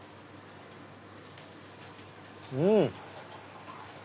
うん！